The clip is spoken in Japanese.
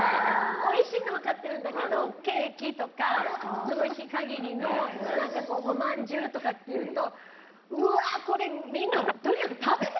おいしいの分かってるんだけどケーキとかその日限りのおまんじゅうとかというとうわー、これみんなとにかく食べて！